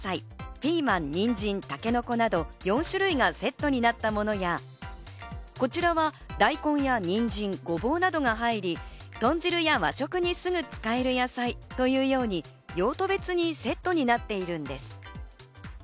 ピーマン、ニンジン、タケノコなど４種類がセットになったものや、こちらは大根やにんじん、ごぼうなどが入り、豚汁や和食にすぐ使える野菜というように用途別にセットになっているんです。